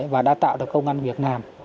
và đã tạo được công an việt nam